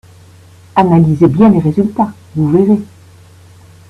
Analysez bien les résultats, vous verrez.